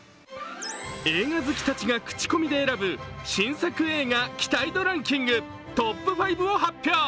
映画好きたちがクチコミで選ぶ、新作映画期待度ランキングトップ５を発表。